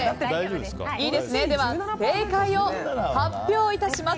では、正解を発表します。